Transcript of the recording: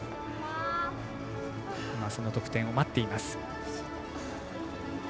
その得点を待っています。